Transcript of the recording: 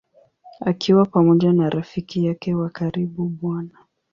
Akiwa pamoja na rafiki yake wa karibu Bw.